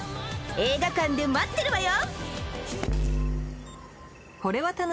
映画館で待ってるわよ。